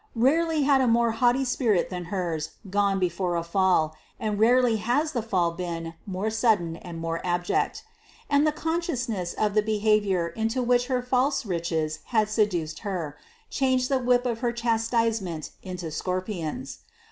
Rarely had a more haughty spirit than hers gone before a fall, and rarely has the fall been more sudden or more abject. And the consciousness of the behaviour into which her false riches had seduced her, changed the whip of her chastisement into scorpions.